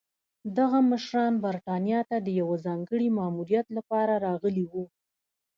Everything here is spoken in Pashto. دغه مشران برېټانیا ته د یوه ځانګړي ماموریت لپاره راغلي وو.